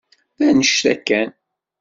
D anect-a kan.